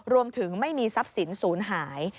รวมถึงไม่มีทรัพย์สินศูนย์หาย